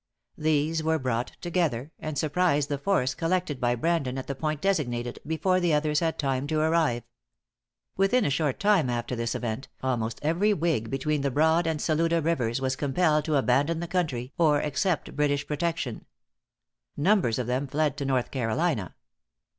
These were brought together, and surprised the force collected by Brandon at the point designated, before the others had time to arrive. Within a short time after this event, almost every whig between the Broad and Saluda rivers was compelled to abandon the country or accept British protection. Numbers of them fled to North Carolina.